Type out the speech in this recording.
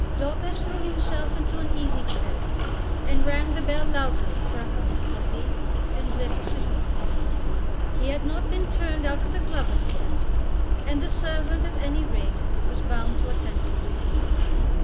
Lopez threw himself into an easy chair, and rang the bell loudly for a cup of coffee, and lit a cigar. He had not been turned out of the club as yet, and the servant at any rate was bound to attend to him.